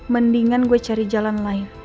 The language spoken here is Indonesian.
mendingan gue cari jalan lain